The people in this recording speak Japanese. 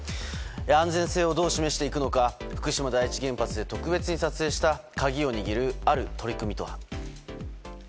安全性をどう示していくのか福島第一原発で特別に撮影した鍵を握る、ある取り組みとは。